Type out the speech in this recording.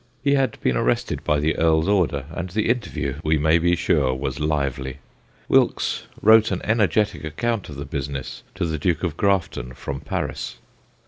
He had been arrested by the Earl's order, and the interview, we may be sure, was lively. Wilkes wrote an energetic account of the business to the Duke of Grafton from Paris.